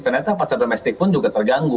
ternyata pasar domestik pun juga terganggu